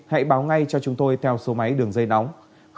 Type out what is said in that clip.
hãy báo ngay cho chúng tôi theo số máy đường dây nóng